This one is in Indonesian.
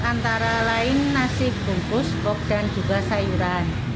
antara lain nasi bungkus pok dan juga sayuran